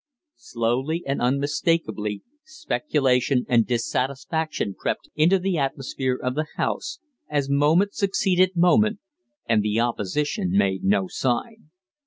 Slowly and unmistakably speculation and dissatisfaction crept into the atmosphere of the House, as moment succeeded moment, and the Opposition made no sign.